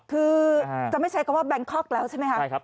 คือจะไม่ใช้คำว่าแบงคอกแล้วใช่ไหมคะ